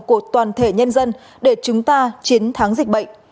của toàn thể nhân dân để chúng ta chiến thắng dịch bệnh